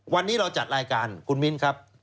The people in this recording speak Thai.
วันนี้เราจัดรายการคุณมิ้นครับ